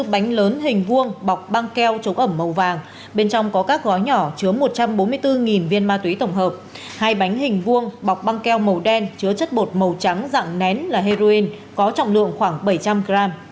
một bánh lớn hình vuông bọc băng keo chống ẩm màu vàng bên trong có các gói nhỏ chứa một trăm bốn mươi bốn viên ma túy tổng hợp hai bánh hình vuông bọc băng keo màu đen chứa chất bột màu trắng dạng nén là heroin có trọng lượng khoảng bảy trăm linh gram